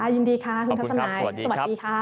ยินดีค่ะคุณทัศนายสวัสดีค่ะ